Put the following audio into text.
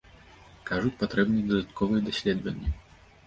Кажуць, патрэбныя дадатковыя даследаванні.